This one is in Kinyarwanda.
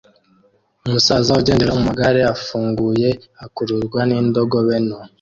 Umusaza ugendera mumagare afunguye akururwa n'indogobe nto